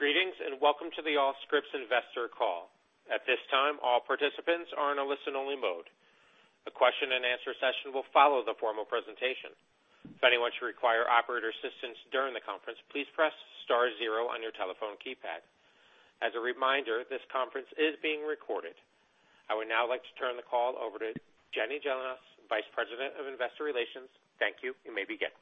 Greetings, and welcome to the Allscripts investor call. At this time, all participants are in a listen-only mode. A question and answer session will follow the formal presentation. If anyone should require operator assistance during the conference, please press star zero on your telephone keypad. As a reminder, this conference is being recorded. I would now like to turn the call over to Jenny Gelinas, Vice President of Investor Relations. Thank you. You may begin.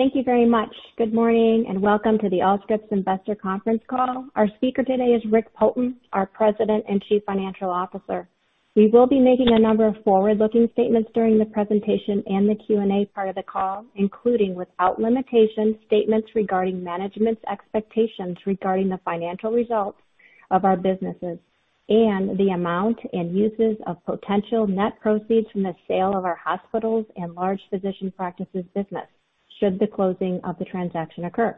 Thank you very much. Good morning, and welcome to the Allscripts investor conference call. Our speaker today is Rick Poulton, our President and Chief Financial Officer. We will be making a number of forward-looking statements during the presentation and the Q&A part of the call, including, without limitation, statements regarding management's expectations regarding the financial results of our businesses and the amount and uses of potential net proceeds from the sale of our Hospitals and Large Physician Practices business should the closing of the transaction occur.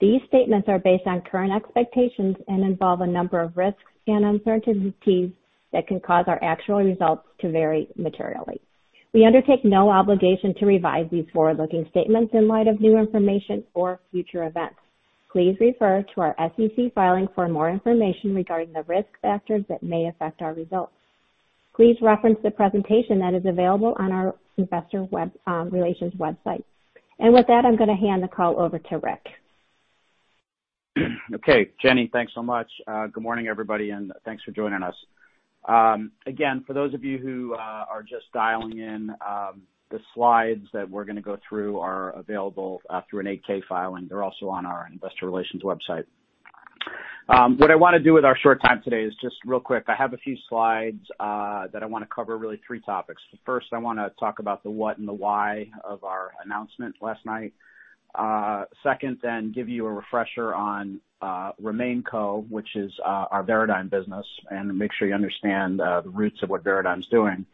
These statements are based on current expectations and involve a number of risks and uncertainties that can cause our actual results to vary materially. We undertake no obligation to revise these forward-looking statements in light of new information or future events. Please refer to our SEC filing for more information regarding the risk factors that may affect our results. Please reference the presentation that is available on our investor relations website. With that, I'm gonna hand the call over to Rick. Okay. Jenny, thanks so much. Good morning, everybody, and thanks for joining us. Again, for those of you who are just dialing in, the slides that we're gonna go through are available through an 8-K filing. They're also on our investor relations website. What I wanna do with our short time today is just real quick, I have a few slides that I wanna cover really three topics. First, I wanna talk about the what and the why of our announcement last night. Second, then give you a refresher on RemainCo, which is our Veradigm business, and make sure you understand the roots of what Veradigm's doing.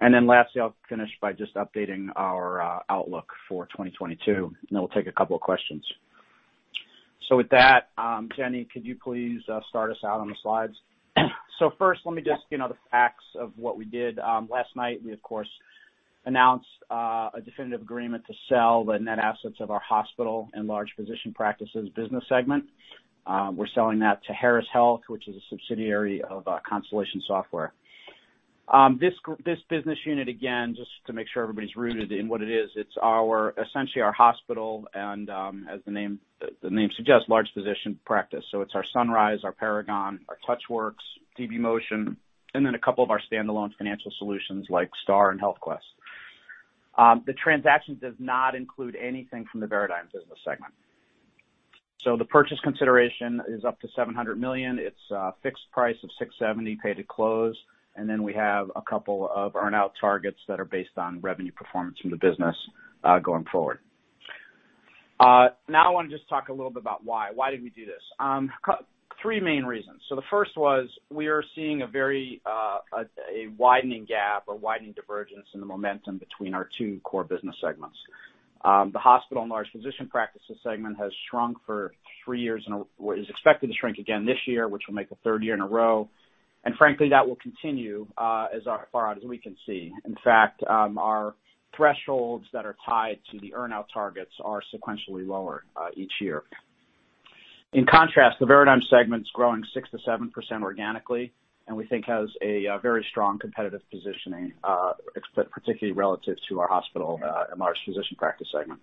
Lastly, I'll finish by just updating our outlook for 2022. We'll take a couple of questions. With that, Jenny, could you please start us out on the slides? First, let me just get on the facts of what we did. Last night we, of course, announced a definitive agreement to sell the net assets of our Hospitals and Large Physician Practices business segment. We're selling that to Harris Health, which is a subsidiary of Constellation Software. This business unit, again, just to make sure everybody's rooted in what it is, it's our essentially our hospital and, as the name suggests, large physician practice. It's our Sunrise, our Paragon, our TouchWorks, dbMotion, and then a couple of our standalone financial solutions like STAR and HealthQuest. The transaction does not include anything from the Veradigm business segment. The purchase consideration is up to $700 million. It's a fixed price of $670 million paid at close, and then we have a couple of earnout targets that are based on revenue performance from the business, going forward. Now I wanna just talk a little bit about why. Why did we do this? Three main reasons. The first was, we are seeing a very widening gap or widening divergence in the momentum between our two core business segments. The hospital and large physician practices segment has shrunk for three years, well, is expected to shrink again this year, which will make the third year in a row. Frankly, that will continue, as far out as we can see. In fact, our thresholds that are tied to the earnout targets are sequentially lower, each year. In contrast, the Veradigm segment's growing 6%-7% organically, and we think has a very strong competitive positioning, particularly relative to our Hospitals and Large Physician Practices segment.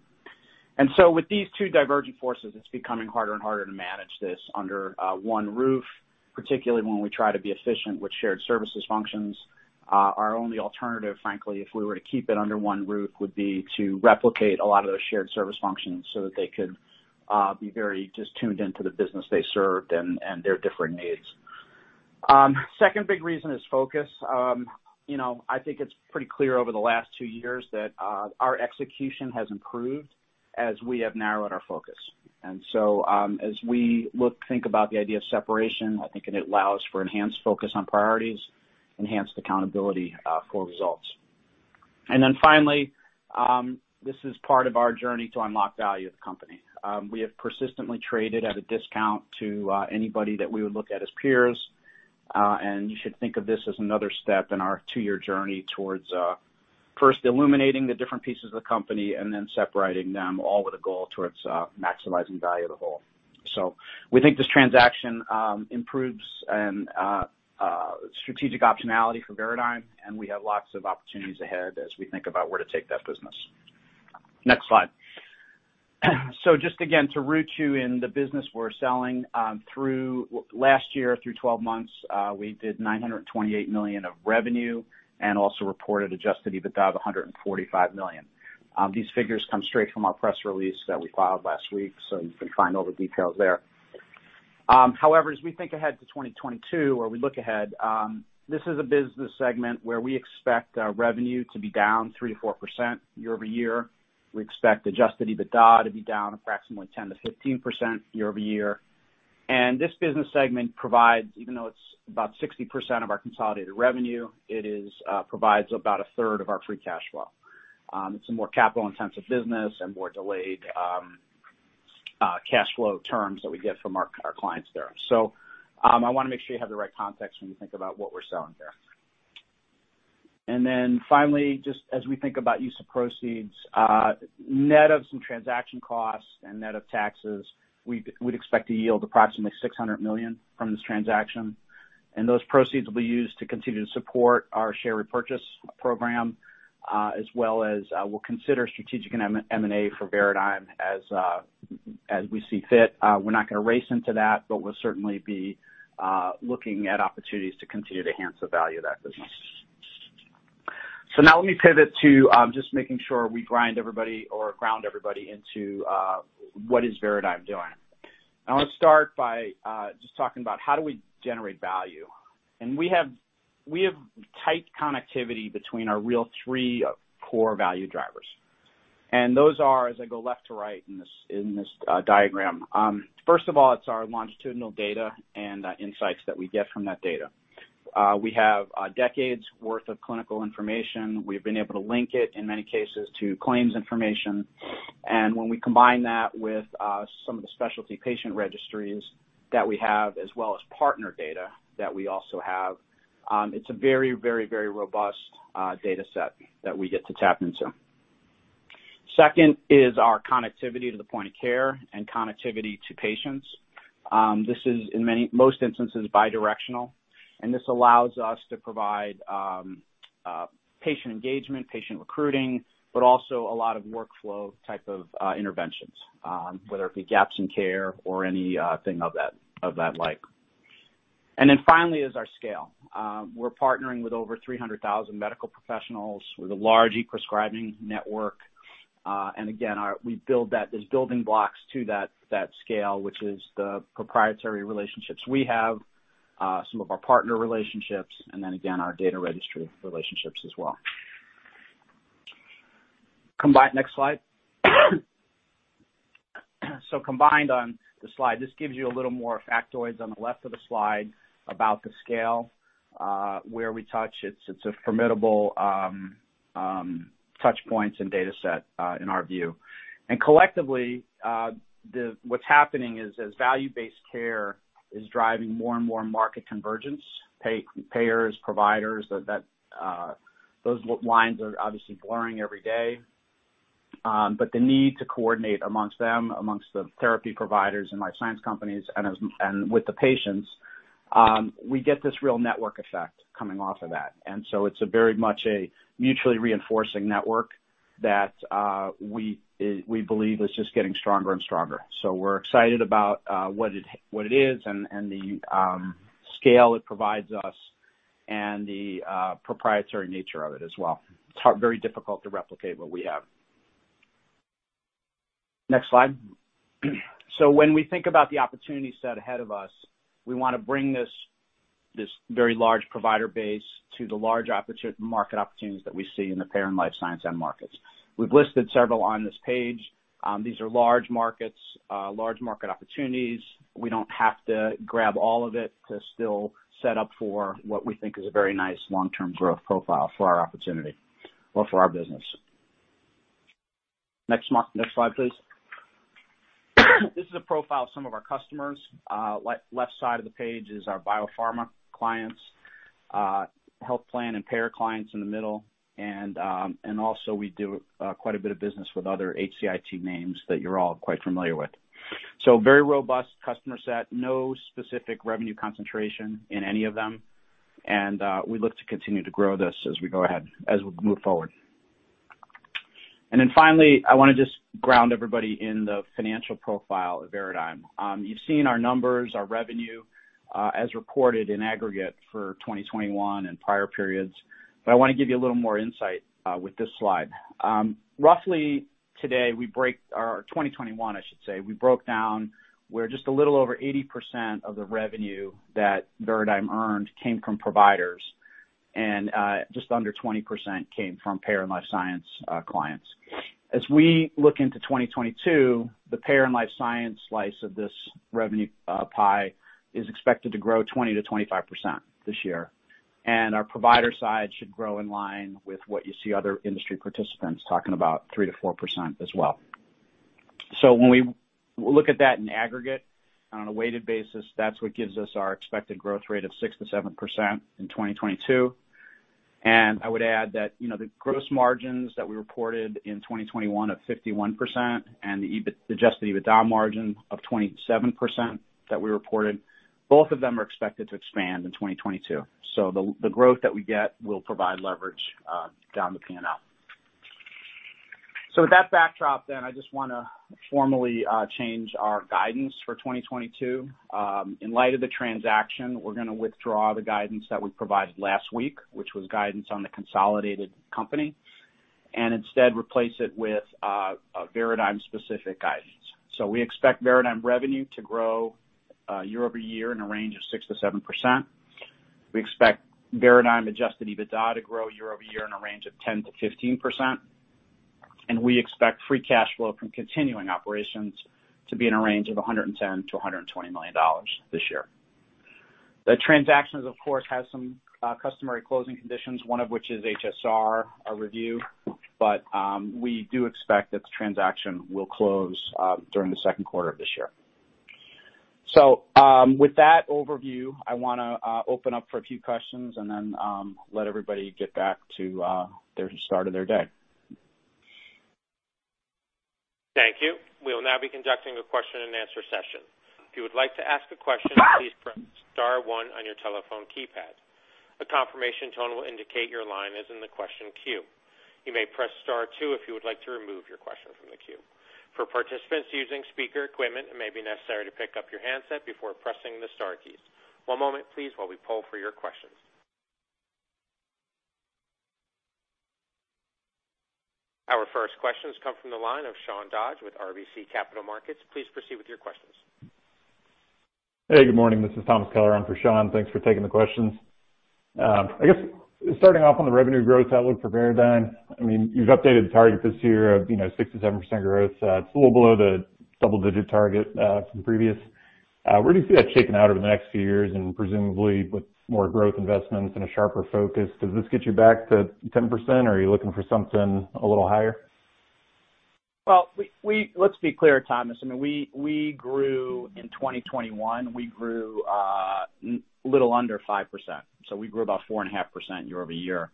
With these two divergent forces, it's becoming harder and harder to manage this under one roof, particularly when we try to be efficient with shared services functions. Our only alternative, frankly, if we were to keep it under one roof, would be to replicate a lot of those shared service functions so that they could be very just tuned into the business they served and their different needs. Second big reason is focus. You know, I think it's pretty clear over the last two years that our execution has improved as we have narrowed our focus. As we look to think about the idea of separation, I think it allows for enhanced focus on priorities, enhanced accountability for results. Finally, this is part of our journey to unlock value of the company. We have persistently traded at a discount to anybody that we would look at as peers, and you should think of this as another step in our two-year journey towards first illuminating the different pieces of the company and then separating them all with a goal towards maximizing value of the whole. We think this transaction improves strategic optionality for Veradigm, and we have lots of opportunities ahead as we think about where to take that business. Next slide. Just again, to root you in the business we're selling, through last year through 12 months, we did $928 million of revenue and also reported adjusted EBITDA of $145 million. These figures come straight from our press release that we filed last week, so you can find all the details there. However, as we think ahead to 2022 or we look ahead, this is a business segment where we expect our revenue to be down 3%-4% year-over-year. We expect adjusted EBITDA to be down approximately 10%-15% year-over-year. This business segment provides, even though it's about 60% of our consolidated revenue, provides about 1/3 of our free cash flow. It's a more capital-intensive business and more delayed cash flow terms that we get from our clients there. I wanna make sure you have the right context when you think about what we're selling here. Finally, just as we think about use of proceeds, net of some transaction costs and net of taxes, we'd expect to yield approximately $600 million from this transaction. Those proceeds will be used to continue to support our share repurchase program, as well as we'll consider strategic and M&A for Veradigm as we see fit. We're not gonna race into that, but we'll certainly be looking at opportunities to continue to enhance the value of that business. Now let me pivot to just making sure we ground everybody into what is Veradigm doing. I want to start by just talking about how do we generate value. We have tight connectivity between our three core value drivers. Those are, as I go left to right in this diagram. First of all, it's our longitudinal data and the insights that we get from that data. We have decades worth of clinical information. We've been able to link it in many cases to claims information. When we combine that with some of the specialty patient registries that we have, as well as partner data that we also have, it's a very robust data set that we get to tap into. Second is our connectivity to the point of care and connectivity to patients. This is in many most instances bi-directional, and this allows us to provide patient engagement, patient recruiting, but also a lot of workflow type of interventions, whether it be gaps in care or anything of that like. Finally is our scale. We're partnering with over 300,000 medical professionals with a large e-prescribing network. Again, we build that. There's building blocks to that scale, which is the proprietary relationships we have, some of our partner relationships, and then again, our data registry relationships as well. Next slide. Combined on the slide, this gives you a little more factoids on the left of the slide about the scale, where we touch. It's a formidable touch points and data set in our view. Collectively, what's happening is, as value-based care is driving more and more market convergence, payers, providers, those lines are obviously blurring every day. But the need to coordinate amongst them, amongst the therapy providers and life science companies and with the patients, we get this real network effect coming off of that. It's very much a mutually reinforcing network that we believe is just getting stronger and stronger. We're excited about what it is and the scale it provides us and the proprietary nature of it as well. It's very difficult to replicate what we have. Next slide. When we think about the opportunity set ahead of us, we wanna bring this very large provider base to the large market opportunities that we see in the payer and life science end markets. We've listed several on this page. These are large markets, large market opportunities. We don't have to grab all of it to still set up for what we think is a very nice long-term growth profile for our opportunity or for our business. Next slide, please. This is a profile of some of our customers. Left side of the page is our biopharma clients, health plan and payer clients in the middle. Also we do quite a bit of business with other HCIT names that you're all quite familiar with. Very robust customer set, no specific revenue concentration in any of them. We look to continue to grow this as we go ahead, as we move forward. Finally, I wanna just ground everybody in the financial profile of Veradigm. You've seen our numbers, our revenue, as reported in aggregate for 2021 and prior periods. I wanna give you a little more insight, with this slide. Roughly, today, or 2021, I should say, we broke down where just a little over 80% of the revenue that Veradigm earned came from providers, and just under 20% came from payer and life science clients. As we look into 2022, the payer and life science slice of this revenue pie is expected to grow 20%-25% this year. Our provider side should grow in line with what you see other industry participants talking about 3%-4% as well. When we look at that in aggregate on a weighted basis, that's what gives us our expected growth rate of 6%-7% in 2022. I would add that, you know, the gross margins that we reported in 2021 of 51% and the adjusted EBITDA margin of 27% that we reported, both of them are expected to expand in 2022. The growth that we get will provide leverage down the P&L. With that backdrop then, I just wanna formally change our guidance for 2022. In light of the transaction, we're gonna withdraw the guidance that we provided last week, which was guidance on the consolidated company, and instead replace it with a Veradigm specific guidance. We expect Veradigm revenue to grow year-over-year in a range of 6%-7%. We expect Veradigm adjusted EBITDA to grow year-over-year in a range of 10%-15%. We expect free cash flow from continuing operations to be in a range of $110 million-$120 million this year. The transaction, of course, has some customary closing conditions, one of which is HSR review. We do expect that the transaction will close during the second quarter of this year. With that overview, I wanna open up for a few questions and then let everybody get back to their start of their day. Thank you. We'll now be conducting a question and answer session. If you would like to ask a question, please press star one on your telephone keypad. A confirmation tone will indicate your line is in the question queue. You may press star two if you would like to remove your question from the queue. For participants using speaker equipment, it may be necessary to pick up your handset before pressing the star keys. One moment please, while we poll for your questions. Our first questions come from the line of Sean Dodge with RBC Capital Markets. Please proceed with your questions. Hey, good morning. This is Tom Keller on for Sean. Thanks for taking the questions. I guess starting off on the revenue growth outlook for Veradigm, I mean, you've updated the target this year of, you know, 6%-7% growth. It's a little below the double-digit target from previous. Where do you see that shaking out over the next few years and presumably with more growth investments and a sharper focus, does this get you back to 10%, or are you looking for something a little higher? Well, let's be clear, Tom. I mean, we grew in 2021. We grew a little under 5%, so we grew about 4.5% year-over-year.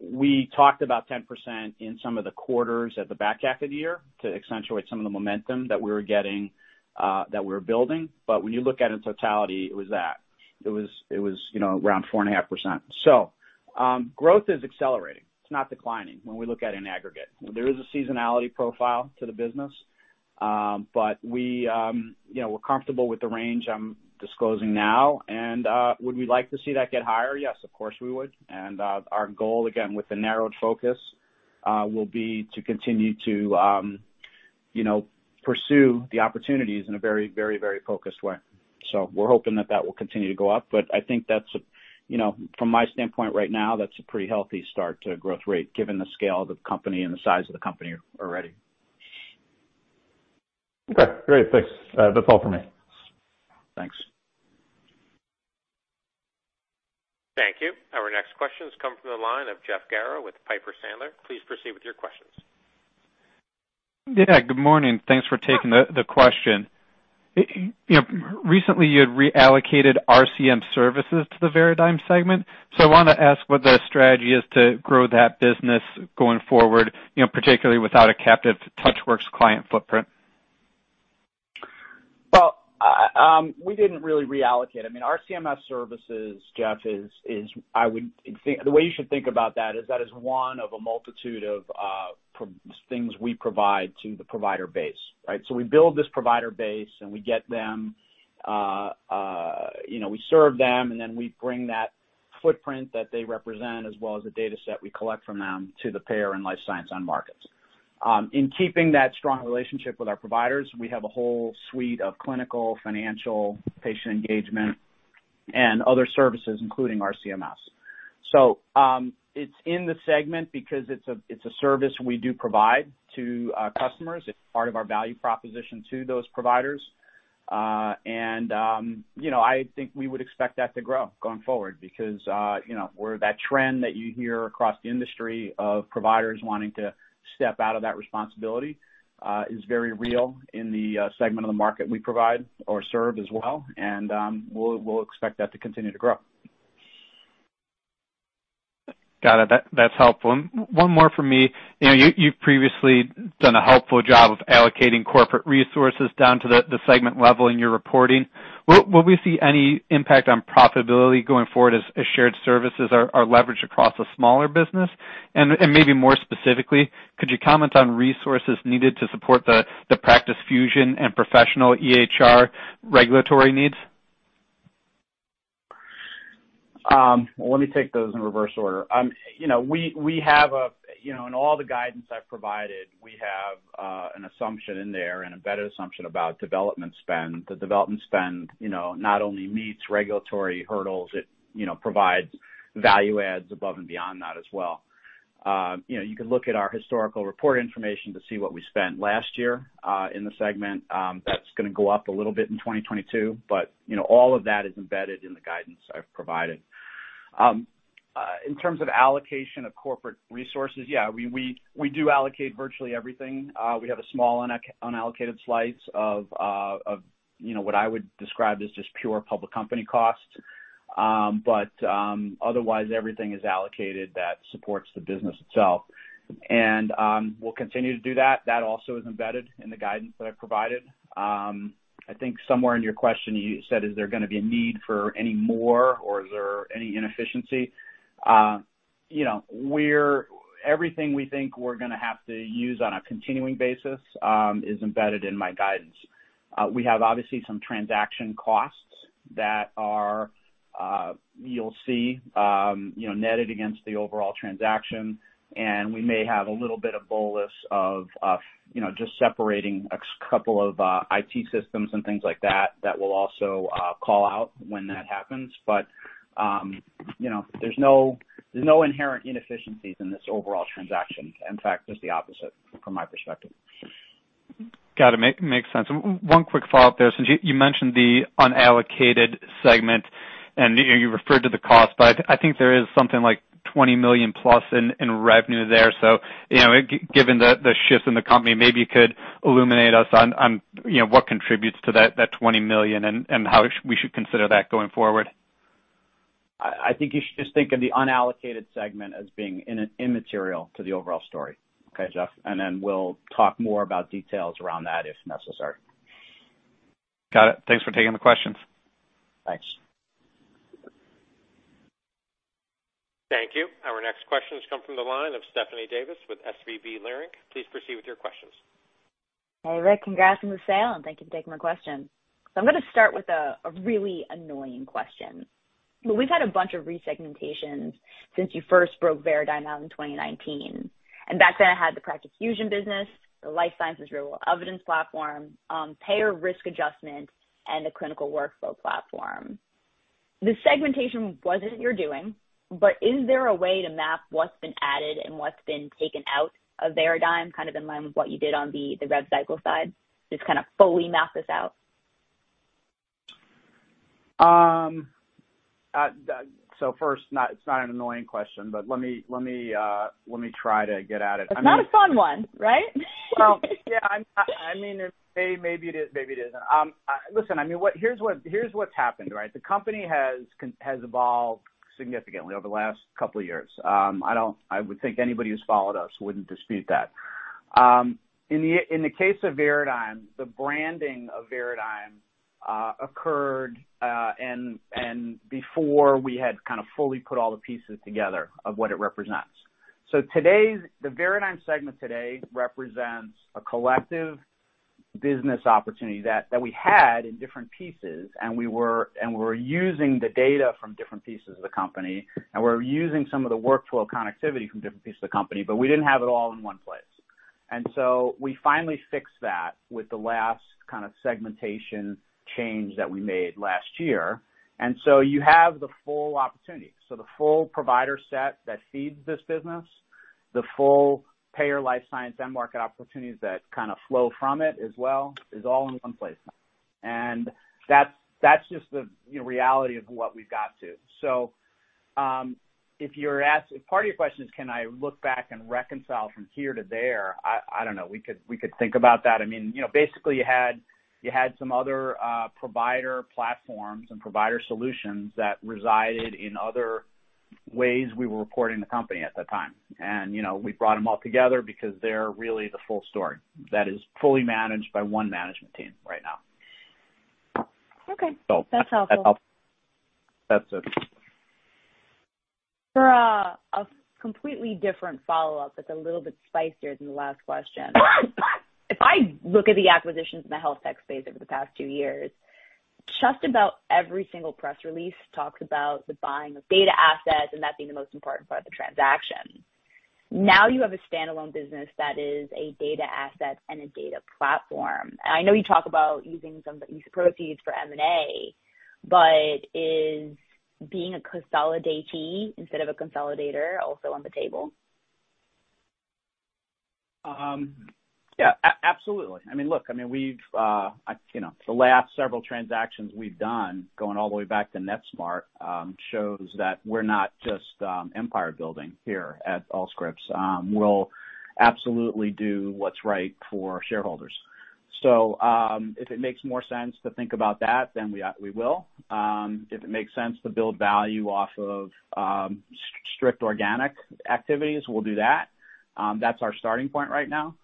We talked about 10% in some of the quarters at the back half of the year to accentuate some of the momentum that we were getting, that we were building. When you look at it in totality, it was that it was, you know, around 4.5%. Growth is accelerating. It's not declining when we look at it in aggregate. There is a seasonality profile to the business. But we, you know, we're comfortable with the range I'm disclosing now. Would we like to see that get higher? Yes, of course we would. Our goal, again, with the narrowed focus, will be to continue to, you know, pursue the opportunities in a very focused way. We're hoping that will continue to go up. I think that's a, you know, from my standpoint right now, that's a pretty healthy start to growth rate, given the scale of the company and the size of the company already. Okay, great. Thanks. That's all for me. Thanks. Thank you. Our next questions come from the line of Jeff Garro with Piper Sandler. Please proceed with your questions. Yeah, good morning. Thanks for taking the question. You know, recently you had reallocated RCM services to the Veradigm segment. I wanna ask what the strategy is to grow that business going forward, you know, particularly without a captive TouchWorks client footprint. Well, we didn't really reallocate. I mean, RCM services, Jeff, is I would think the way you should think about that is that it is one of a multitude of things we provide to the provider base, right? We build this provider base and we get them, you know, we serve them, and then we bring that footprint that they represent as well as the data set we collect from them to the payer and life science end markets. In keeping that strong relationship with our providers, we have a whole suite of clinical, financial, patient engagement and other services, including RCMS. It's in the segment because it's a service we do provide to customers. It's part of our value proposition to those providers. You know, I think we would expect that to grow going forward because you know, where that trend that you hear across the industry of providers wanting to step out of that responsibility is very real in the segment of the market we provide or serve as well. We'll expect that to continue to grow. Got it. That's helpful. One more from me. You know, you've previously done a helpful job of allocating corporate resources down to the segment level in your reporting. Will we see any impact on profitability going forward as shared services are leveraged across a smaller business? Maybe more specifically, could you comment on resources needed to support the Practice Fusion and Professional EHR regulatory needs? Well, let me take those in reverse order. You know, in all the guidance I've provided, we have an assumption in there and embedded assumption about development spend. The development spend, you know, not only meets regulatory hurdles, it you know provides value adds above and beyond that as well. You know, you can look at our historical report information to see what we spent last year in the segment. That's gonna go up a little bit in 2022, but you know, all of that is embedded in the guidance I've provided. In terms of allocation of corporate resources, yeah, we do allocate virtually everything. We have a small unallocated slice of you know, what I would describe as just pure public company costs. Otherwise everything is allocated that supports the business itself. We'll continue to do that. That also is embedded in the guidance that I've provided. I think somewhere in your question you said, is there gonna be a need for any more or is there any inefficiency? You know, everything we think we're gonna have to use on a continuing basis is embedded in my guidance. We have obviously some transaction costs that are, you'll see, you know, netted against the overall transaction. We may have a little bit of bolus of, you know, just separating a couple of IT systems and things like that we'll also call out when that happens. You know, there's no inherent inefficiencies in this overall transaction. In fact, just the opposite from my perspective. Got it. Makes sense. One quick follow-up there, since you mentioned the unallocated segment. You referred to the cost, but I think there is something like $20 million+ in revenue there. You know, given the shifts in the company, maybe you could illuminate us on what contributes to that $20 million and how we should consider that going forward. I think you should just think of the unallocated segment as being immaterial to the overall story, okay, Jeff? Then we'll talk more about details around that if necessary. Got it. Thanks for taking the questions. Thanks. Thank you. Our next question has come from the line of Stephanie Davis with SVB Leerink. Please proceed with your questions. Hey, Rick, congrats on the sale, and thank you for taking my question. I'm gonna start with a really annoying question. We've had a bunch of re-segmentations since you first broke Veradigm out in 2019. Back then it had the Practice Fusion business, the life sciences Real-World Evidence platform, payer risk adjustment, and the clinical workflow platform. The segmentation wasn't your doing, but is there a way to map what's been added and what's been taken out of Veradigm, kind of in line with what you did on the Rev Cycle side, just kind of fully map this out? First, it's not an annoying question, but let me try to get at it. I mean. It's not a fun one, right? Well, yeah, I mean, it may, maybe it is, maybe it isn't. Listen, I mean, here's what's happened, right? The company has evolved significantly over the last couple of years. I would think anybody who's followed us wouldn't dispute that. In the case of Veradigm, the branding of Veradigm occurred and before we had kind of fully put all the pieces together of what it represents. Today's, the Veradigm segment today, represents a collective business opportunity that we had in different pieces, and we were using the data from different pieces of the company, and we were using some of the workflow connectivity from different pieces of the company, but we didn't have it all in one place. We finally fixed that with the last kind of segmentation change that we made last year. You have the full opportunity. The full provider set that feeds this business, the full payer life science end market opportunities that kind of flow from it as well, is all in one place now. That's just the, you know, reality of what we've got to. If you're asking, part of your question is, can I look back and reconcile from here to there? I don't know. We could think about that. I mean, you know, basically, you had some other provider platforms and provider solutions that resided in other ways we were reporting the company at that time. You know, we brought them all together because they're really the full story that is fully managed by one management team right now. Okay. So. That's helpful. That's it. For a completely different follow-up that's a little bit spicier than the last question. If I look at the acquisitions in the health tech space over the past two years, just about every single press release talks about the buying of data assets and that being the most important part of the transaction. Now you have a standalone business that is a data asset and a data platform. I know you talk about using some of these proceeds for M&A, but is being a consolidatee instead of a consolidator also on the table? Absolutely. I mean, look, I mean, we've you know, the last several transactions we've done, going all the way back to Netsmart, shows that we're not just empire building here at Allscripts. We'll absolutely do what's right for shareholders. If it makes more sense to think about that, then we will. If it makes sense to build value off of strict organic activities, we'll do that. That's our starting point right now.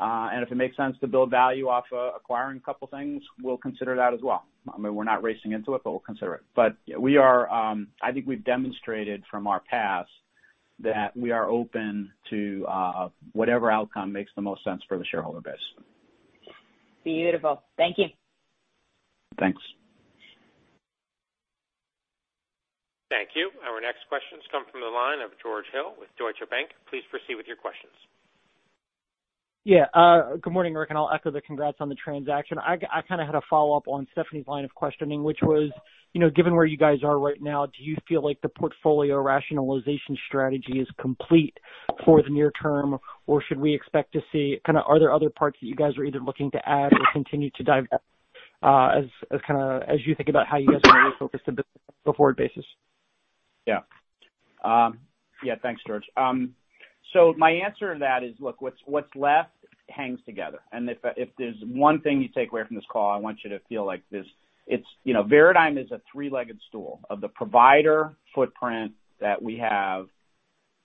And if it makes sense to build value off acquiring a couple of things, we'll consider that as well. I mean, we're not racing into it, but we'll consider it. We are, I think we've demonstrated from our past that we are open to whatever outcome makes the most sense for the shareholder base. Beautiful. Thank you. Thanks. Thank you. Our next question has come from the line of George Hill with Deutsche Bank. Please proceed with your questions. Yeah. Good morning, Rick, and I'll echo the congrats on the transaction. I kind of had a follow-up on Stephanie's line of questioning, which was, you know, given where you guys are right now, do you feel like the portfolio rationalization strategy is complete for the near term, or should we expect to see kind of are there other parts that you guys are either looking to add or continue to dive down, as kinda, as you think about how you guys wanna refocus the forward basis? Yeah. Yeah, thanks George. So my answer to that is, look, what's left hangs together. If there's one thing you take away from this call, I want you to feel like this. It's, you know, Veradigm is a three-legged stool of the provider footprint that we have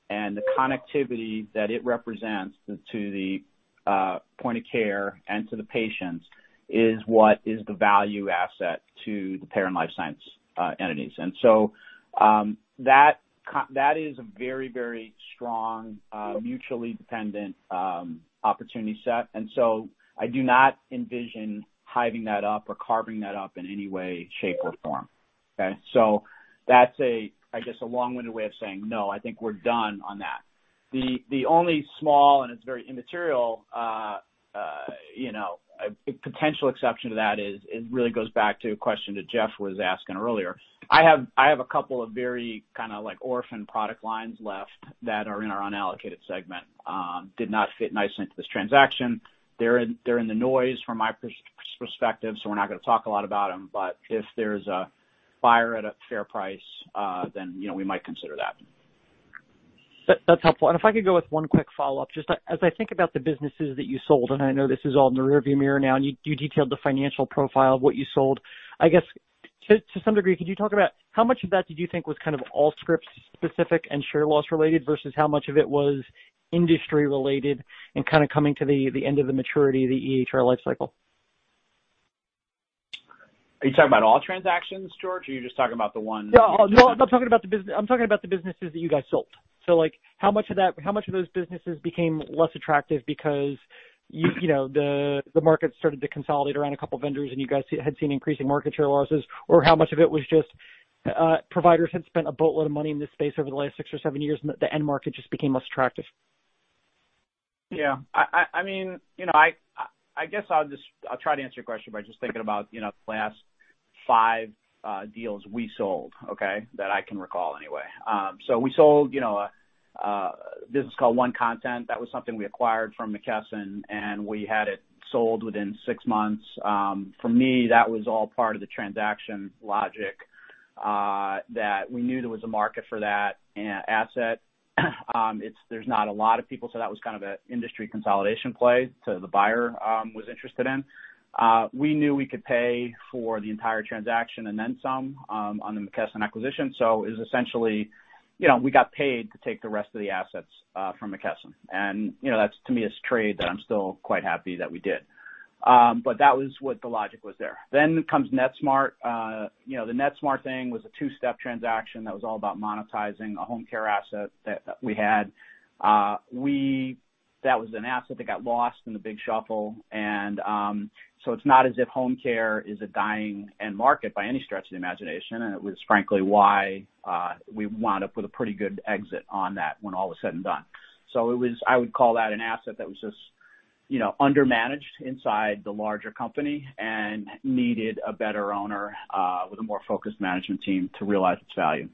and the connectivity that it represents to the point of care and to the patients is what is the value asset to the payer and life science entities. That is a very, very strong mutually dependent opportunity set. I do not envision hiving that up or carving that up in any way, shape, or form. Okay. That's a, I guess, a long-winded way of saying no, I think we're done on that. The only small, and it's very immaterial, you know, potential exception to that is, it really goes back to a question that Jeff was asking earlier. I have a couple of very kinda like orphan product lines left that are in our unallocated segment, did not fit nicely into this transaction. They're in the noise from my perspective, so we're not gonna talk a lot about them. If there's a buyer at a fair price, then, you know, we might consider that. That's helpful. If I could go with one quick follow-up, just as I think about the businesses that you sold, and I know this is all in the rearview mirror now, and you detailed the financial profile of what you sold. I guess to some degree, could you talk about how much of that did you think was kind of Allscripts-specific and share loss-related versus how much of it was industry-related and kind of coming to the end of the maturity of the EHR life cycle? Are you talking about all transactions, George? Or are you just talking about the one. No, no, I'm not talking about the business. I'm talking about the businesses that you guys sold. Like how much of that, how much of those businesses became less attractive because you know, the market started to consolidate around a couple of vendors and you guys had seen increasing market share losses or how much of it was just, providers had spent a boatload of money in this space over the last six or seven years, and the end market just became less attractive. Yeah. I mean, you know, I guess I'll try to answer your question by just thinking about, you know, the last five deals we sold, okay? That I can recall anyway. We sold, you know, a business called OneContent. That was something we acquired from McKesson, and we had it sold within six months. For me, that was all part of the transaction logic that we knew there was a market for that asset. There’s not a lot of people, so that was kind of an industry consolidation play. The buyer was interested in. We knew we could pay for the entire transaction and then some on the McKesson acquisition. It was essentially, you know, we got paid to take the rest of the assets from McKesson. You know, that's to me a trade that I'm still quite happy that we did. But that was what the logic was there. Then comes Netsmart. You know, the Netsmart thing was a two-step transaction that was all about monetizing a home care asset that we had. That was an asset that got lost in the big shuffle. So it's not as if home care is a dying end market by any stretch of the imagination. It was frankly why we wound up with a pretty good exit on that when all was said and done. It was, I would call that an asset that was just, you know, undermanaged inside the larger company and needed a better owner with a more focused management team to realize its value.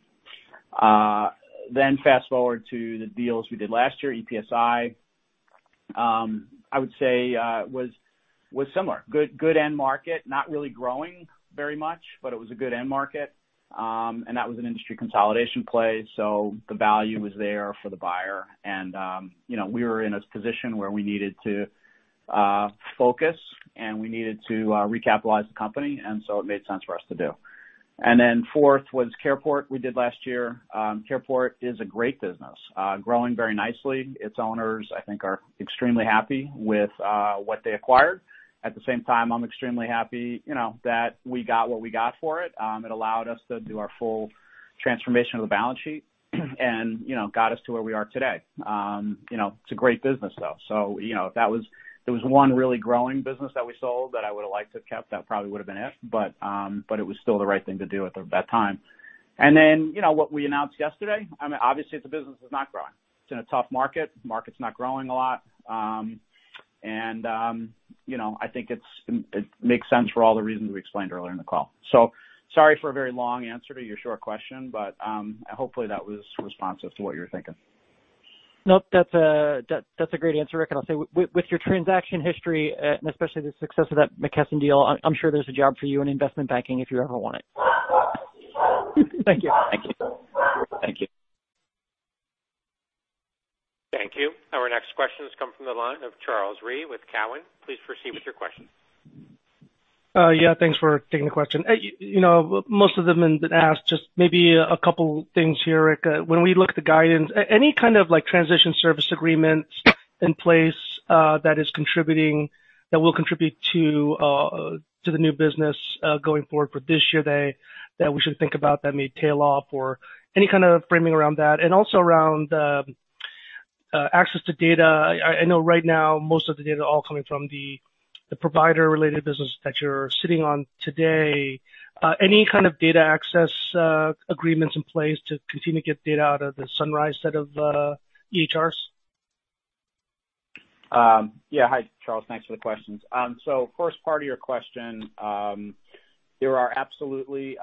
Fast-forward to the deals we did last year, EPSi. I would say it was similar. Good end market, not really growing very much, but it was a good end market. That was an industry consolidation play, so the value was there for the buyer. You know, we were in a position where we needed to focus and we needed to recapitalize the company, and so it made sense for us to do. Fourth was CarePort we did last year. CarePort is a great business, growing very nicely. Its owners, I think, are extremely happy with what they acquired. At the same time, I'm extremely happy, you know, that we got what we got for it. It allowed us to do our full transformation of the balance sheet and, you know, got us to where we are today. You know, it's a great business, though. You know, there was one really growing business that we sold that I would have liked to have kept. That probably would have been it, but it was still the right thing to do at that time. Then, you know, what we announced yesterday, I mean, obviously it's a business that's not growing. It's in a tough market. Market's not growing a lot. You know, I think it's, it makes sense for all the reasons we explained earlier in the call. Sorry for a very long answer to your short question, but hopefully that was responsive to what you were thinking. Nope. That's a great answer, Rick. I'll say with your transaction history, and especially the success of that McKesson deal, I'm sure there's a job for you in investment banking if you ever want it. Thank you. Thank you. Thank you. Thank you. Our next question has come from the line of Charles Rhyee with Cowen. Please proceed with your question. Yeah, thanks for taking the question. You know, most of them have been asked, just maybe a couple things here, Rick. When we look at the guidance, any kind of like transition service agreements in place that will contribute to the new business going forward for this year that we should think about that may tail off or any kind of framing around that? Also around access to data. I know right now most of the data all coming from the provider-related business that you're sitting on today. Any kind of data access agreements in place to continue to get data out of the Sunrise set of EHRs? Yeah. Hi, Charles. Thanks for the questions. First part of your question, there are absolutely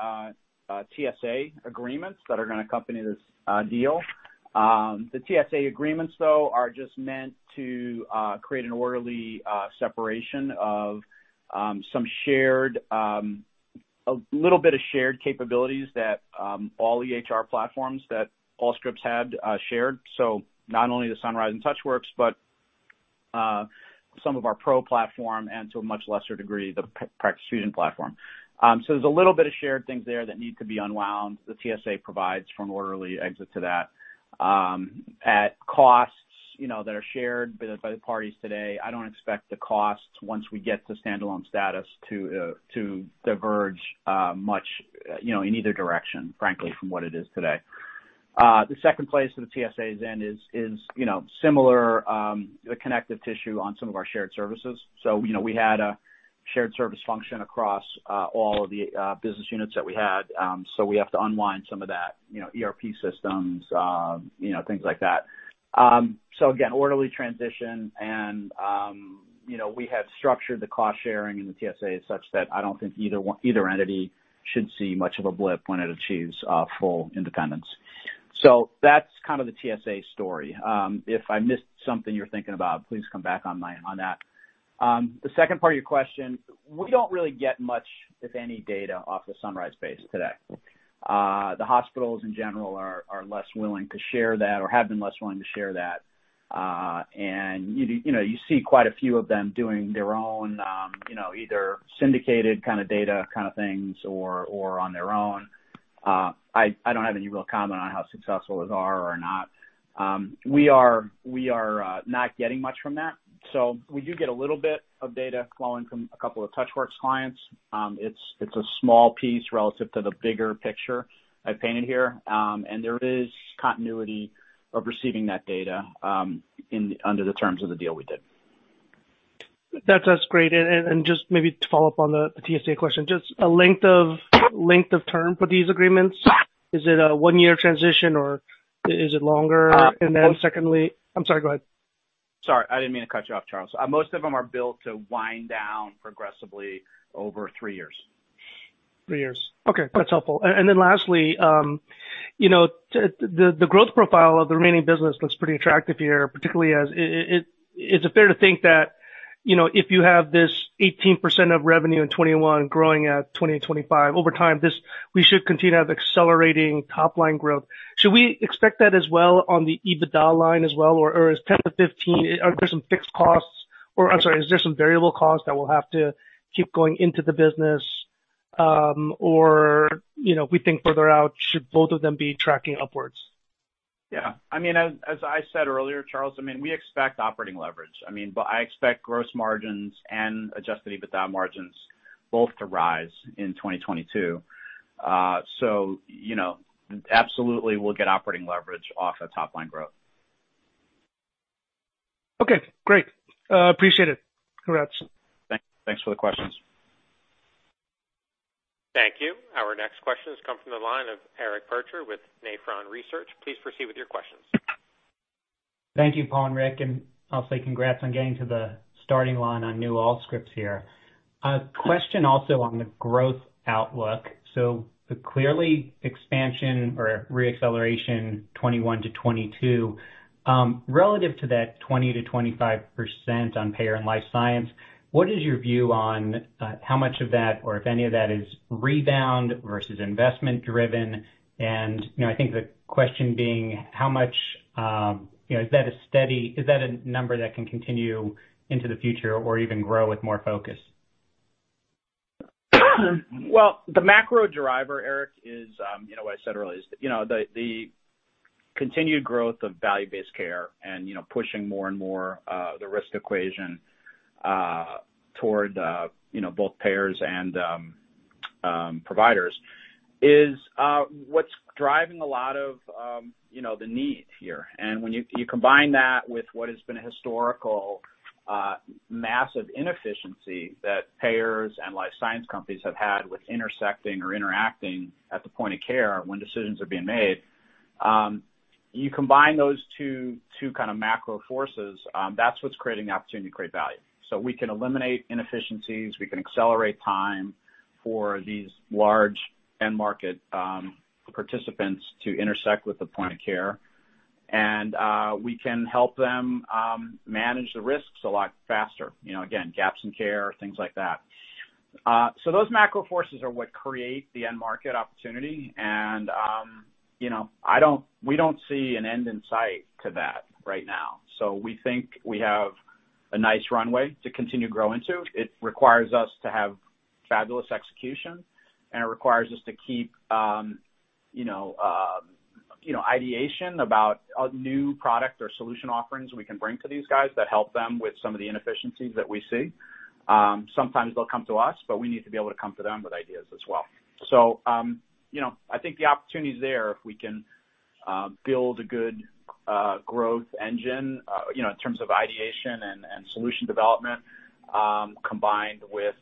TSA agreements that are gonna accompany this deal. The TSA agreements, though, are just meant to create an orderly separation of some shared, a little bit of shared capabilities that all EHR platforms that Allscripts had shared. Not only the Sunrise and TouchWorks, but some of our Pro platform and to a much lesser degree, the Practice Fusion platform. There's a little bit of shared things there that need to be unwound. The TSA provides for an orderly exit to that at costs, you know, that are shared by the parties today. I don't expect the costs once we get to standalone status to diverge much, you know, in either direction, frankly, from what it is today. The second place that the TSA is in is you know similar, the connective tissue on some of our shared services. You know, we had a shared service function across all of the business units that we had. We have to unwind some of that, you know, ERP systems, you know, things like that. Again, orderly transition and you know we have structured the cost sharing in the TSA such that I don't think either entity should see much of a blip when it achieves full independence. That's kind of the TSA story. If I missed something you're thinking about, please come back on that. The second part of your question, we don't really get much, if any, data from the Sunrise space today. The hospitals in general are less willing to share that or have been less willing to share that. You know, you see quite a few of them doing their own syndicated kind of data kind of things or on their own. I don't have any real comment on how successful those are or are not. We are not getting much from that. We do get a little bit of data flowing from a couple of TouchWorks clients. It's a small piece relative to the bigger picture I painted here. There is continuity of receiving that data under the terms of the deal we did. That's great. Just maybe to follow up on the TSA question, just a length of term for these agreements. Is it a one-year transition or is it longer? Uh. Secondly, I'm sorry, go ahead. Sorry, I didn't mean to cut you off, Charles. Most of them are built to wind down progressively over three years. Three years. Okay. That's helpful. Lastly, you know, the growth profile of the remaining business looks pretty attractive here, particularly as it is it fair to think that, you know, if you have this 18% of revenue in 2021 growing at 20%-25% over time, this we should continue to have accelerating top line growth. Should we expect that as well on the EBITDA line as well, or is 10%-15%, are there some fixed costs or, I'm sorry, is there some variable costs that will have to keep going into the business? Or, you know, we think further out, should both of them be tracking upwards? Yeah. I mean, as I said earlier, Charles, I mean, we expect operating leverage. I mean, I expect gross margins and adjusted EBITDA margins both to rise in 2022. You know, absolutely we'll get operating leverage off of top line growth. Okay, great. Appreciate it. Congrats. Thanks for the questions. Thank you. Our next question has come from the line of Eric Percher with Nephron Research. Please proceed with your questions. Thank you, Paul and Rick, and I'll say congrats on getting to the starting line on new Allscripts here. A question also on the growth outlook. Clearly expansion or re-acceleration 2021 to 2022. Relative to that 20%-25% on payer and life science, what is your view on how much of that or if any of that is rebound versus investment driven? You know, I think the question being how much you know is that a steady number that can continue into the future or even grow with more focus? Well, the macro driver, Eric, is, you know, what I said earlier is, you know, the continued growth of value-based care and, you know, pushing more and more, the risk equation, toward, you know, both payers and providers is, what's driving a lot of, you know, the need here. When you combine that with what has been a historical massive inefficiency that payers and life science companies have had with intersecting or interacting at the point of care when decisions are being made, you combine those two kind of macro forces, that's what's creating the opportunity to create value. We can eliminate inefficiencies, we can accelerate time for these large end market participants to intersect with the point of care. We can help them manage the risks a lot faster. You know, again, gaps in care, things like that. Those macro forces are what create the end market opportunity. We don't see an end in sight to that right now. We think we have a nice runway to continue growing into. It requires us to have fabulous execution, and it requires us to keep ideation about a new product or solution offerings we can bring to these guys that help them with some of the inefficiencies that we see. Sometimes they'll come to us, but we need to be able to come to them with ideas as well. You know, I think the opportunity is there if we can build a good growth engine, you know, in terms of ideation and solution development, combined with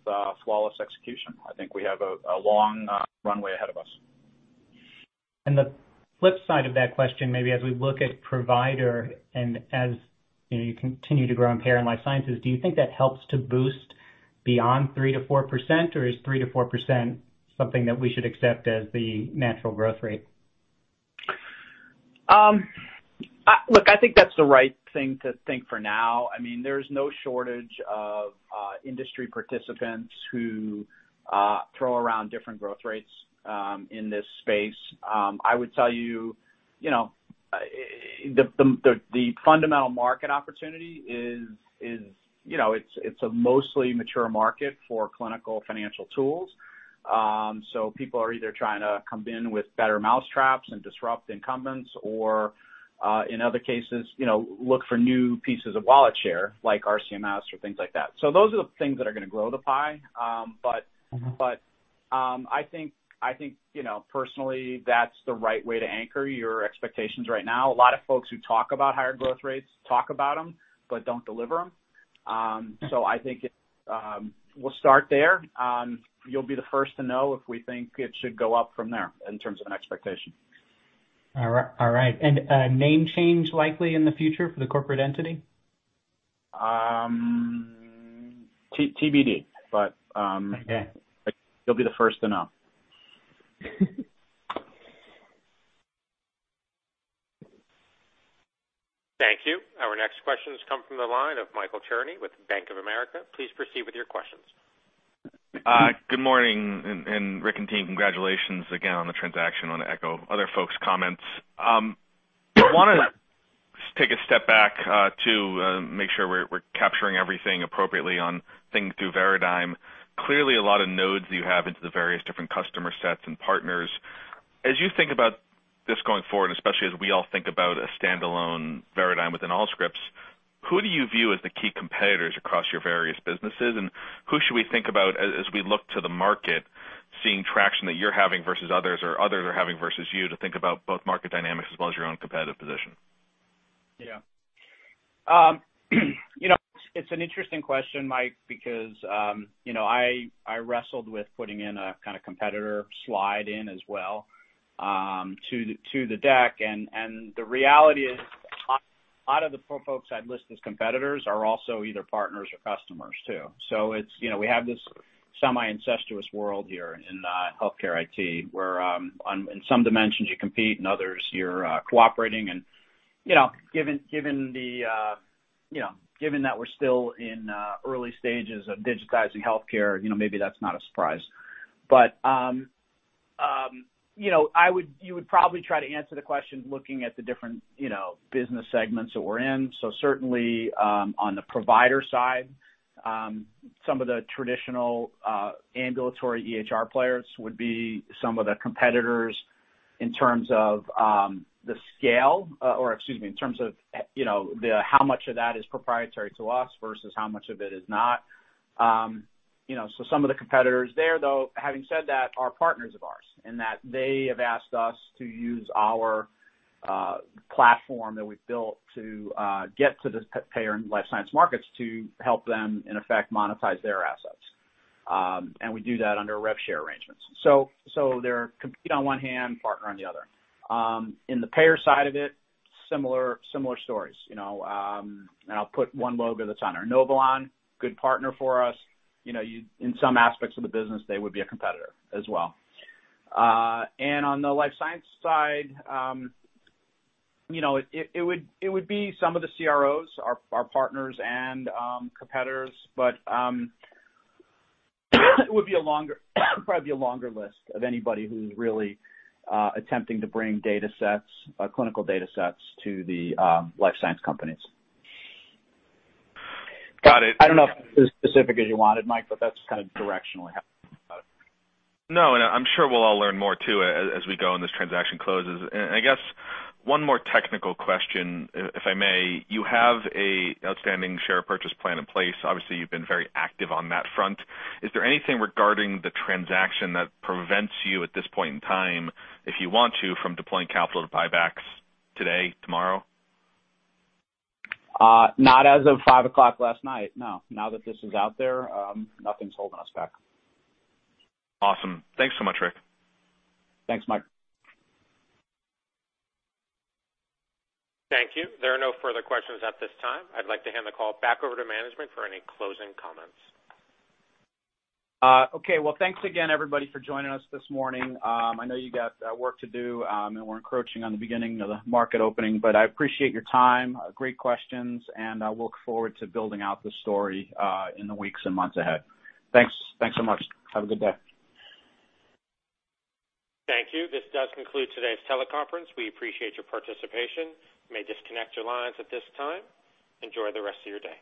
flawless execution. I think we have a long runway ahead of us. The flip side of that question, maybe as we look at provider and as, you know, you continue to grow in payer and life sciences, do you think that helps to boost beyond 3%-4% or is 3%-4% something that we should accept as the natural growth rate? Look, I think that's the right thing to think for now. I mean, there's no shortage of industry participants who throw around different growth rates in this space. I would tell you know, the fundamental market opportunity is, you know, it's a mostly mature market for clinical financial tools. So people are either trying to come in with better mousetraps and disrupt incumbents or in other cases, you know, look for new pieces of wallet share like RCMS or things like that. So those are the things that are gonna grow the pie. But. Mm-hmm. I think you know personally that's the right way to anchor your expectations right now. A lot of folks who talk about higher growth rates talk about them but don't deliver them. I think we'll start there. You'll be the first to know if we think it should go up from there in terms of an expectation. All right. A name change likely in the future for the corporate entity? TBD, but. Okay. You'll be the first to know. Thank you. Our next questions come from the line of Michael Cherny with Bank of America. Please proceed with your questions. Good morning. Rick and team, congratulations again on the transaction. I want to echo other folks' comments. I want to take a step back to make sure we're capturing everything appropriately on thinking through Veradigm. Clearly a lot of nodes that you have into the various different customer sets and partners. As you think about this going forward, especially as we all think about a standalone Veradigm within Allscripts, who do you view as the key competitors across your various businesses, and who should we think about as we look to the market, seeing traction that you're having versus others or others are having versus you to think about both market dynamics as well as your own competitive position? Yeah. You know, it's an interesting question, Mike, because you know, I wrestled with putting in a kind of competitor slide in as well to the deck. The reality is a lot of the folks I'd list as competitors are also either partners or customers too. It's you know, we have this semi-incestuous world here in healthcare IT, where on in some dimensions you compete and others you're cooperating. You know, given the you know, given that we're still in early stages of digitizing healthcare, you know, maybe that's not a surprise. You know, you would probably try to answer the question looking at the different you know, business segments that we're in. Certainly, on the provider side, some of the traditional ambulatory EHR players would be some of the competitors in terms of the scale, or excuse me, in terms of, you know, the how much of that is proprietary to us versus how much of it is not. You know, some of the competitors there, though, having said that, are partners of ours, in that they have asked us to use our platform that we've built to get to the payer and life science markets to help them, in effect, monetize their assets. And we do that under rev share arrangements. So they compete on one hand, partner on the other. In the payer side of it, similar stories, you know. And I'll put one logo that's on there. Inovalon, good partner for us. You know, in some aspects of the business, they would be a competitor as well. On the life science side, you know, it would be some of the CROs are partners and competitors. It would probably be a longer list of anybody who's really attempting to bring datasets, clinical datasets to the life science companies. Got it. I don't know if that's as specific as you wanted, Mike, but that's kind of directionally how I think about it. No. I'm sure we'll all learn more too as we go and this transaction closes. I guess one more technical question, if I may. You have an outstanding share purchase plan in place. Obviously, you've been very active on that front. Is there anything regarding the transaction that prevents you, at this point in time, if you want to, from deploying capital to buybacks today, tomorrow? Not as of 5:00 P.M. last night, no. Now that this is out there, nothing's holding us back. Awesome. Thanks so much, Rick. Thanks, Mike. Thank you. There are no further questions at this time. I'd like to hand the call back over to management for any closing comments. Okay. Well, thanks again everybody for joining us this morning. I know you got work to do, and we're encroaching on the beginning of the market opening, but I appreciate your time. Great questions, and I look forward to building out the story in the weeks and months ahead. Thanks. Thanks so much. Have a good day. Thank you. This does conclude today's teleconference. We appreciate your participation. You may disconnect your lines at this time. Enjoy the rest of your day.